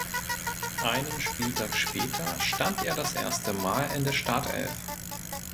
Einen Spieltag später stand er das erste Mal in der Startelf.